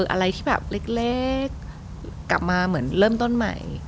อะไรที่แบบเล็กกลับมาเหมือนเริ่มต้นใหม่